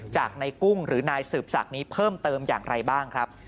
จากในกุ้งหรือนายสืบศักดิ์นี้เพิ่มเติมอย่างไรบ้างครับ